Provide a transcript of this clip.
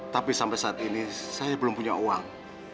tapi sampai saat ini saya belum punya uang